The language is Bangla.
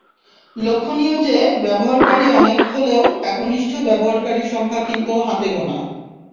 লক্ষ্যণীয় যে, ব্যবহারকারী অনেক হলেও একনিষ্ঠ ব্যবহারকারীর সংখ্যা কিন্তু হাতেগোণা।